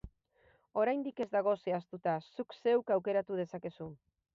Oraindik ez dago zehaztuta, zuk zeuk aukera dezakezu.